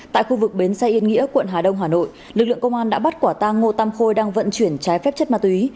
tại khu vực bến xe yên nghĩa quận hà đông hà nội lực lượng công an đã bắt quả tang ngô tam khôi đang vận chuyển trái phép chất ma túy